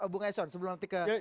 bung eson sebelum nanti ke